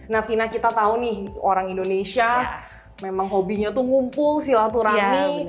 nah fina kita tahu nih orang indonesia memang hobinya tuh ngumpul silaturahmi